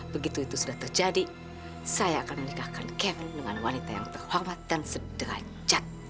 begitu itu sudah terjadi saya akan menikahkan kevin dengan wanita yang terhormat dan sederajat